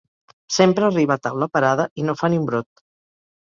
Sempre arriba a taula parada i no fa ni un brot.